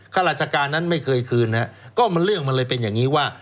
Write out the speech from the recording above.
ข้าราชการนั้นไม่เคยคืนนะฮะก็มันเรื่องมันเลยเป็นอย่างนี้ว่า